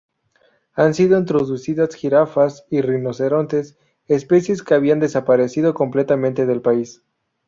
Han sido introducidas jirafas y rinocerontes, especies que habían desaparecido completamente del país.